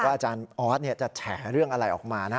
อาจารย์ออสจะแฉเรื่องอะไรออกมานะ